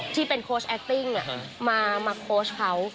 ที่เป็นโค้ชแอคติ้งมาโค้ชเขา